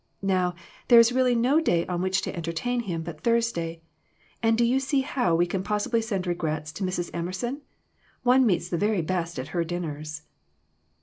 Now, there is really no day in which to entertain him but Thursday, and do you see how we can possibly send regrets to Mrs. Emerson ? One meets the very best at her dinners."